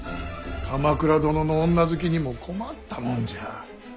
鎌倉殿の女好きにも困ったもんじゃ。